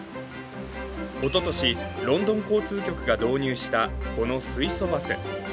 おととしロンドン交通局が導入したこの水素バス。